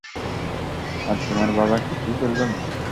আর তোমার বাবা কিছুই করল না।